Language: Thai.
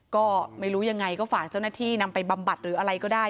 ก็ไม่รู้ยังไงก็ฝากเจ้าหน้าที่นำไปบำบัดหรืออะไรก็ได้